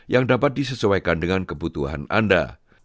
yang dapat disesuaikan dengan kebutuhan anda